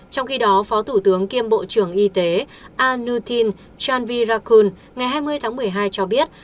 trong khi đó phó thủ tướng kiêm bộ trưởng y tế arnuthin chanvirakul ngày hai mươi tháng một mươi hai cho biết